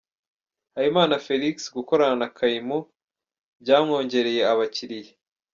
Habimana Felix gukorana na Kaymu byamwongereye abakiriya.